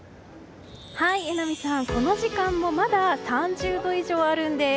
榎並さん、この時間もまだ３０度以上あるんです。